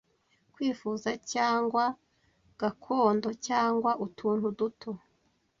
kwifuza cyangwa tgakondo cyangwa utuntu duto